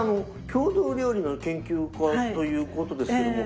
郷土料理の研究家ということですけども。